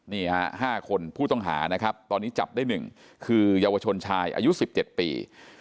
นี่ฮะ๕คนผู้ต้องหานะครับตอนนี้จับได้๑คือเยาวชนชายอายุ๑๗ปี